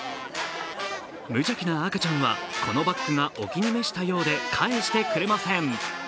無邪気な赤ちゃんは、このバッグがお気に召したようで返してくれません。